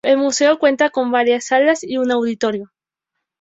El museo cuenta con varias salas y un auditorio.